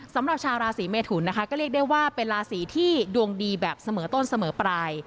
สำหรับชาวราศีเมทุนนะคะก็เรียกได้ว่าเป็นราศีที่ดวงดีแบบเสมอต้นเสมอปลาย